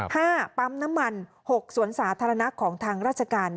ห้าปั๊มน้ำมันหกสวนสาธารณะของทางราชการ